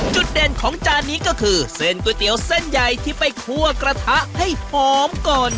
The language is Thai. จุดเด่นของจานนี้ก็คือเส้นก๋วยเตี๋ยวเส้นใหญ่ที่ไปคั่วกระทะให้หอมก่อน